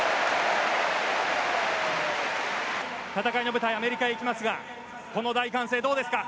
戦いの舞台はアメリカへ行きますが、この大歓声、どうですか？